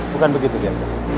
bukan begitu dia